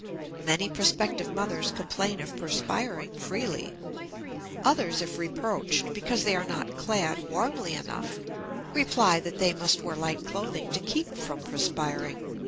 Many prospective mothers complain of perspiring freely; others, if reproached because they are not clad warmly enough, reply that they must wear light clothing to keep from perspiring.